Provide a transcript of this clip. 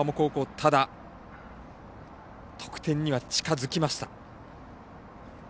ただ、得点には近づきました。